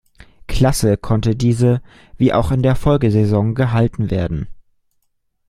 Klasse konnte diese, wie auch in der Folgesaison, gehalten werden.